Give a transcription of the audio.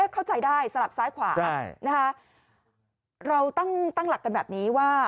เข้าใจได้สลับซ้ายขวาเราตั้งหลักกันแบบนี้ว่า